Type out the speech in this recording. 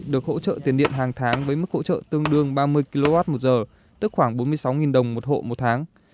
được hỗ trợ tiền điện hàng tháng với mức hỗ trợ tương đương ba mươi kwh một giờ tức khoảng bốn mươi sáu đồng một hộ một tháng